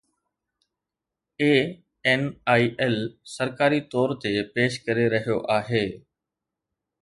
ANIL سرڪاري طور تي پيش ڪري رهيو آهي